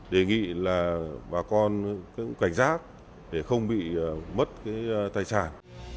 đề nghị là bà con cảnh giác để không bị mất tài sản